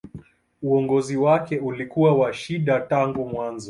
Uongozi wake ulikuwa wa shida tangu mwanzo.